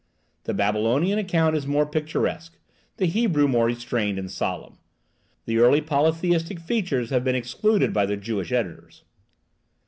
The Babylonian account is more picturesque, the Hebrew more restrained and solemn. The early polytheistic features have been excluded by the Jewish editors.